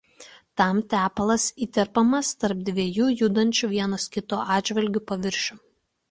Tam tepalas įterpiamas tarp dviejų judančių vienas kito atžvilgiu paviršių.